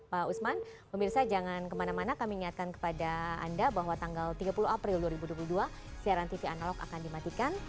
pemirsa kami ingatkan kepada anda bahwa tanggal tiga puluh april dua ribu dua puluh dua siaran tv analog akan dimatikan